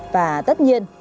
và tất nhiên